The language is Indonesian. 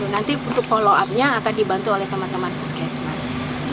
nanti untuk follow up nya akan dibantu oleh teman teman puskesmas